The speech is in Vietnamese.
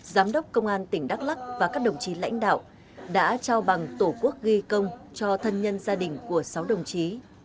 giám đốc công an tỉnh đắk lắc và các đồng chí lãnh đạo đã trao bằng tổ quốc ghi công cho thân nhân gia đình của sáu đồng chí